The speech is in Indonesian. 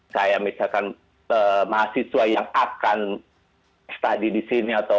saya misalkan mahasiswa yang akan study di sini atau